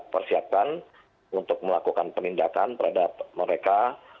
persiapkan untuk melakukan penindakan terhadap mereka